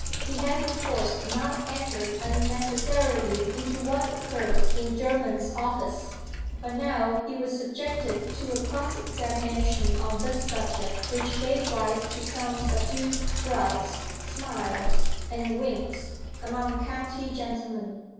He had of course not entered unnecessarily into what occurred in Jermyn's office. But now he was subjected to a cross examination on this subject, which gave rise to some subdued shrugs, smiles, and winks, among county gentlemen.